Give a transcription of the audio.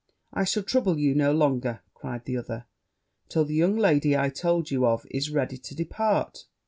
'I shall trouble you no longer,' cried the other, 'till the young lady I told you of is ready to depart.'